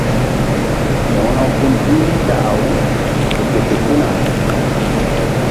Wo̧ro gun bi Rita-aw ƴo ke fe tuna.